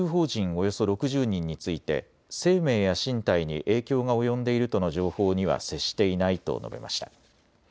およそ６０人について生命や身体に影響が及んでいるとの情報には接していないと述べました。